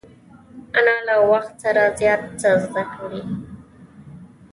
انا له وخت سره زیات څه زده کړي